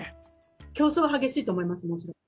競争は激しいと思います、もちろん。